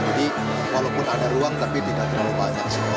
jadi walaupun ada ruang tapi tidak terlalu banyak